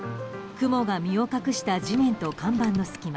クモが身を隠した地面と看板の隙間。